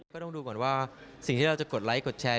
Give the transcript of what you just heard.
ก็ต้องดูก่อนว่าสิ่งที่เราจะกดไลค์กดแชร์